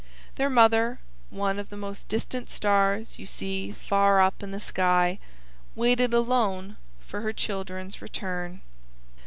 Their mother (one of the most distant Stars you see far up in the sky) waited alone for her children's return.